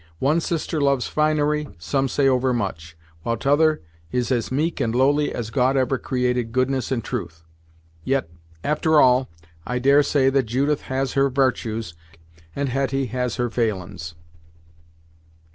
One sister loves finery, some say overmuch; while t'other is as meek and lowly as God ever created goodness and truth. Yet, after all, I dare say that Judith has her vartues, and Hetty has her failin's."